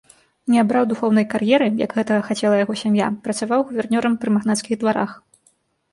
Не абраў духоўнай кар'еры, як гэтага хацела яго сям'я, працаваў гувернёрам пры магнацкіх дварах.